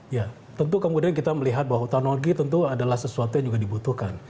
ya tentu kemudian kita melihat bahwa teknologi tentu adalah sesuatu yang juga dibutuhkan